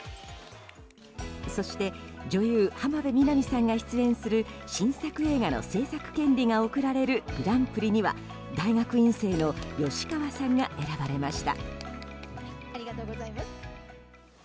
そして女優・浜辺美波さんが出演する新作映画の制作権利が贈られるグランプリには大学院生の吉川さんが選ばれました。